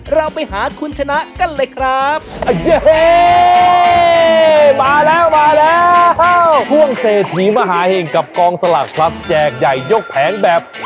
เราไปหาคุณชนะกันเลยครับ